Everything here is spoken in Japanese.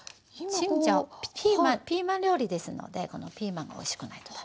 チンジャオピーマン料理ですのでピーマンがおいしくないと駄目。